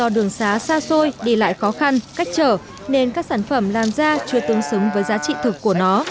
do đường xá xa xôi đi lại khó khăn cách trở nên các sản phẩm làm ra chưa tương xứng với giá trị thực của nó